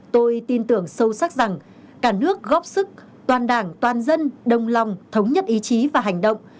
tôi tin tưởng sâu sắc rằng cả nước góp sức toàn đảng toàn dân đồng lòng thống nhất ý chí và hành động